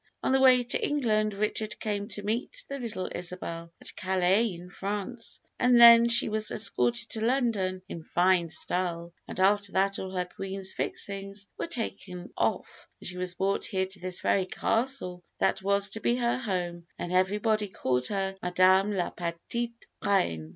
On the way to England Richard came to meet the little Isabel at Calais, in France, and then she was escorted to London in fine style, and after that all her queen's fixings were taken off and she was brought here to this very Castle, that was to be her home, and everybody called her Madame La Petite Reine."